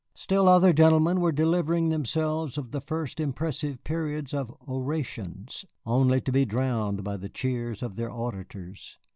Still other gentlemen were delivering themselves of the first impressive periods of orations, only to be drowned by the cheers of their auditors.